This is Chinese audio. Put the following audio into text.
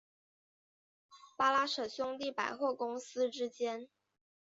巴拉什兄弟百货公司之间。